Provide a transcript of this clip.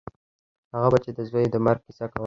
هغه به چې د زوى د مرګ کيسه کوله.